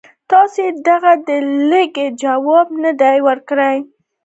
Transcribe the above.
تاسي د هغه د لیک جواب نه دی ورکړی.